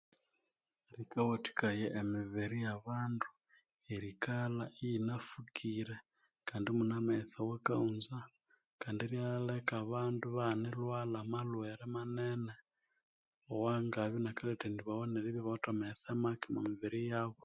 Bikawathikaya emibiri yabandu eribya yikalha yinafukire kandi imune amaghetse awakaghunza kandi enialeka abandu ibaghani erilhwalha amalhwere manene awangabya inakalethibawa neribya isibawithe amaghetse omomibiri yabo